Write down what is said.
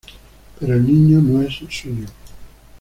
Pero el niño no es suyo.